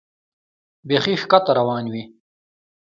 بیخي ښکته روان وې.